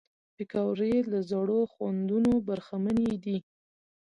پکورې له زړو خوندونو برخمنې دي